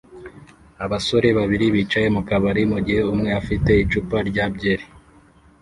Abasore babiri bicaye mu kabari mugihe umwe afite icupa rya byeri